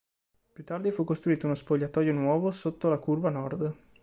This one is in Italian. Più tardi fu costruito uno spogliatoio nuovo sotto la curva nord.